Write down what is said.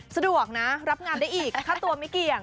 สะดวกนะรับงานได้อีกค่าตัวไม่เกี่ยง